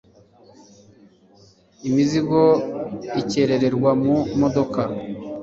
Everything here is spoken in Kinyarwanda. imizigo ikerererwa mu modoka